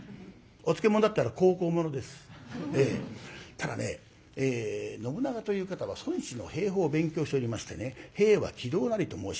ただね信長という方は孫子の兵法を勉強しておりましてね「兵は詭道なり」と申しまして。